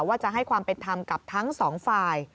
ว่าจะให้ความเป็นธรรมกับทั้งสองฝ่าย